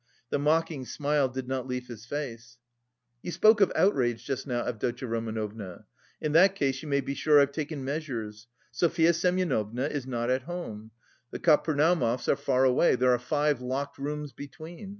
The mocking smile did not leave his face. "You spoke of outrage just now, Avdotya Romanovna. In that case you may be sure I've taken measures. Sofya Semyonovna is not at home. The Kapernaumovs are far away there are five locked rooms between.